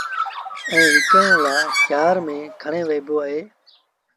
ائيٚݩ وڪڻڻ لآ شآهر ميݩ کڻي وهيٚبو اهي